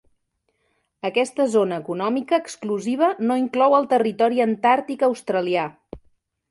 Aquesta zona econòmica exclusiva no inclou el Territori Antàrtic Australià.